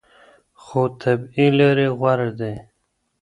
خو طبیعي لارې غوره دي.